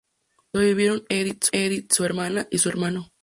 Sobrevivieron Edith, su hermana y un hermano.